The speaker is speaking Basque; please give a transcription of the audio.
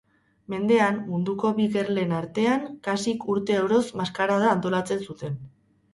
Mendean, munduko bi gerlen artean, kasik urte oroz maskarada antolatzen zuten.